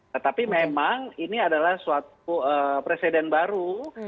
tetapi memang ini adalah suatu presiden baru